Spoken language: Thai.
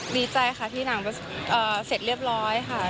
ดีใจค่ะที่หนังเสร็จเรียบร้อยค่ะ